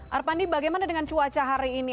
arpandi bagaimana dengan cuaca hari ini